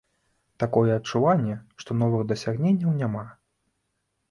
Такое адчуванне, што новых дасягненняў няма.